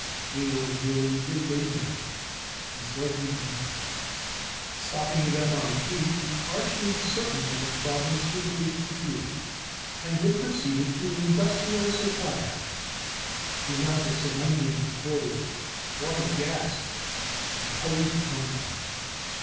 They were merely irregular and slightly dangerous. Stopping at M.I.T. Arch gave certain of his problems to the big computer, and then proceeded to an industrial supply house. The amount of selenium he ordered brought a gasp and a hurried conference.